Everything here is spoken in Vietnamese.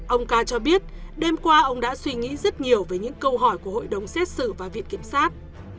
ông ca cho biết đêm qua ông đã suy nghĩ rất nhiều về những câu hỏi của hội đồng xét xử và viện kiểm sát